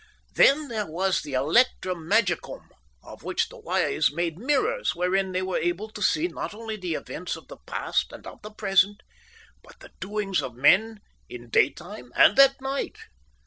"Then there was the Electrum Magicum, of which the wise made mirrors wherein they were able to see not only the events of the past and of the present, but the doings of men in daytime and at night.